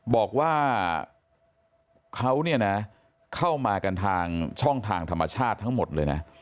บอกว่าเขาเนี่ยนะเข้ามากันทางช่องทางธรรมชาติทั้งหมดเลยนะ